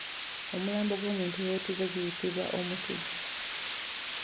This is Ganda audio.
Omulambo gw’omuntu eyeetuze guyitibwa omutugu.